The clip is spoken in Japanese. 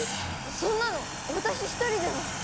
そんなの私１人では！